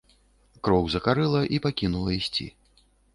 Кроў закарэла і пакінула ісці.